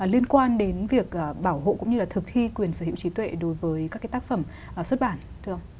liên quan đến việc bảo hộ cũng như là thực thi quyền sở hữu trí tuệ đối với các cái tác phẩm xuất bản